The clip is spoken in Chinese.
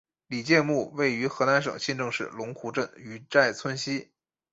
李诫墓位于河南省新郑市龙湖镇于寨村西。